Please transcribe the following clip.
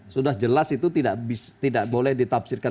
sudah jelas itu tidak boleh ditafsirkan